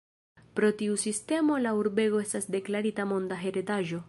Pro tiu sistemo la urbego estas deklarita Monda Heredaĵo.